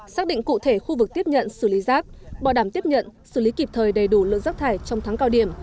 xác định cụ thể khu vực tiếp nhận xử lý rác bảo đảm tiếp nhận xử lý kịp thời đầy đủ lượng rác thải trong tháng cao điểm